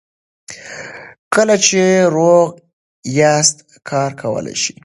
کله چې روغ یاست کار کولی شئ.